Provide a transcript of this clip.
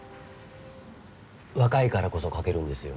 若いからこそ書けるんですよ。